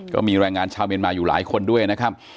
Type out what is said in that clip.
ก็มีแรงงานชาวเมียนมาอยู่หลายคนด้วยนะครับ